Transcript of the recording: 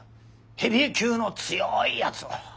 ヘビー級の強いやつを。